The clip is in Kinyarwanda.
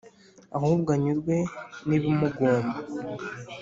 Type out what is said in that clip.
ahubwo anyurwe n’ibimugomba